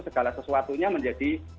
segala sesuatunya menjadi